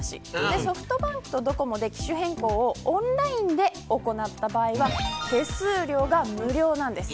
ソフトバンクとドコモで機種変更をオンラインで行った場合は手数料が無料なんです。